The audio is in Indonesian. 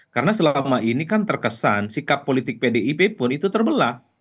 karena selama ini kan terkesan sikap politik pdip pun itu terbelah